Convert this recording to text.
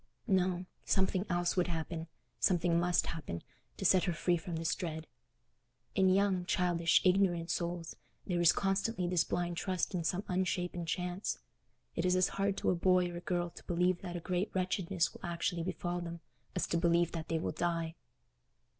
No, something else would happen—something must happen—to set her free from this dread. In young, childish, ignorant souls there is constantly this blind trust in some unshapen chance: it is as hard to a boy or girl to believe that a great wretchedness will actually befall them as to believe that they will die.